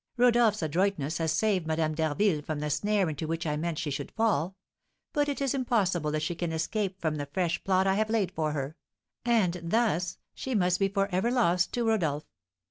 Rodolph's adroitness has saved Madame d'Harville from the snare into which I meant she should fall; but it is impossible that she can escape from the fresh plot I have laid for her, and thus she must be for ever lost to Rodolph.